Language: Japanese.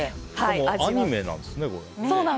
もうアニメなんですね。